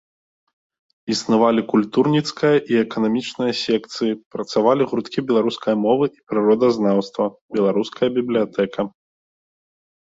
Існавалі культурніцкая і эканамічная секцыі, працавалі гурткі беларускай мовы і прыродазнаўства, беларуская бібліятэка.